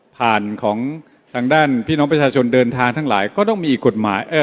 ของทางด้านพี่น้องประชาชนเดินทางทั้งหลายก็ต้องมีอีกกฎหมาย